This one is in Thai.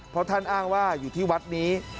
เพราะท่านอ้างว่าอยู่ที่วัดนี้